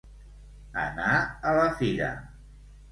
Anar a la fira.